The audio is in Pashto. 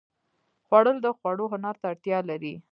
خوړل د خوړو هنر ته اړتیا لري